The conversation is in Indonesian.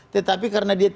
tetapi karena dia